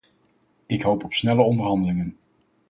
Ik hoop op snelle onderhandelingen.